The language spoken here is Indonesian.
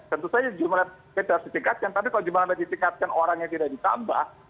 tentu saja jumlah bank harus ditingkatkan tapi kalau jumlah bank ditingkatkan orangnya tidak ditambah